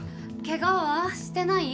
ケガはしてない？